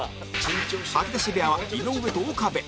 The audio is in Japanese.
吐き出し部屋は井上と岡部